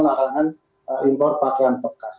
larangan impor bagian bekas